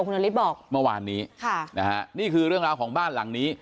คุณนาฬิบอกค่ะมาวาลนี้นะฮะนี่คือเรื่องราวของบ้านหลังนี้